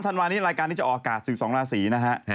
ันวานี้รายการนี้จะออกอากาศ๑๒ราศีนะฮะ